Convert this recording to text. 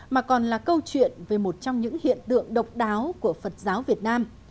mà còn là câu chuyện về một trong những hiện tượng độc đáo của phật giáo việt nam